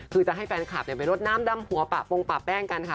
คือจะให้แฟนคลับไปรดน้ำดำหัวปะปงปะแป้งกันค่ะ